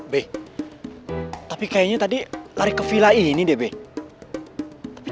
peh tapi kayaknya tadi lari ke villa ini deh peh